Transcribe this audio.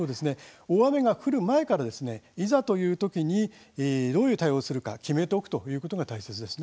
大雨が降る前からいざという時にどういう対応をするのか決めておくということが大切です。